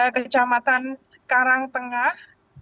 kecamatan karang tengah